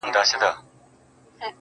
د کسمیر لوري د کابل او د ګواه لوري.